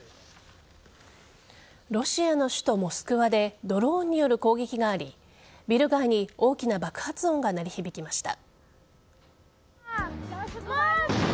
ロシアの首都・モスクワでドローンによる攻撃がありビル街に大きな爆発音が鳴り響きました。